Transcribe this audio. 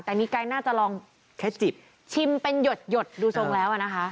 แต่นี่ไก๊น่าจะลองชิมเป็นหยดดูทรงแล้วอ่ะนะคะ